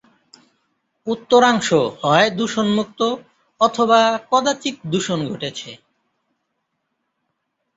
উত্তরাংশ হয় দূষণমুক্ত অথবা কদাচিৎ দূষণ ঘটেছে।